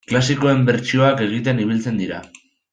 Klasikoen bertsioak egiten ibiltzen dira.